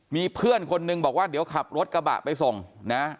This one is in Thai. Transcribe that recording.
มีเพื่อนคนนึงบอกว่าเดี๋ยวขับรถกระบะไปส่งนะ